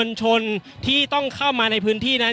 อย่างที่บอกไปว่าเรายังยึดในเรื่องของข้อ